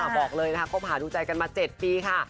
บอกเลยนะคะคบหาดูใจกันมา๗ปีค่ะ